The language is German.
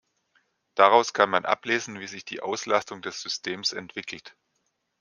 Daraus kann man ablesen, wie sich die Auslastung des Systems entwickelt.